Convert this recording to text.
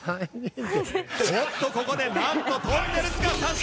おっとここでなんととんねるずが参戦！